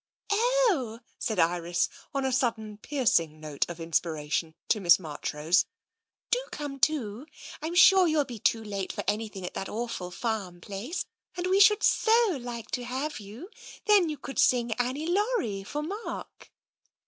" Oh," said Iris, on a sudden piercing note of in spiration, to Miss Marchrose, " do come too. I'm <({( no TENSION sure you'll be too late for an3rthing at that awful farm place, and we should so like to have you. Then you could sing ' Annie Laurie * for Mark."